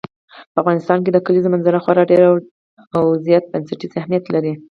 په افغانستان کې د کلیزو منظره خورا ډېر او ډېر زیات بنسټیز اهمیت لري.